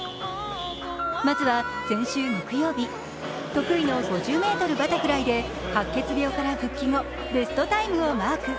まずは先週木曜日、得意の５０ｍバタフライで白血病復帰後、ベストタイムをマーク。